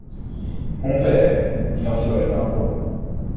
Mon père !… il en ferait un roi !…